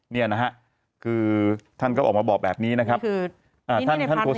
นี่คือนี่ใช่ปราศนิค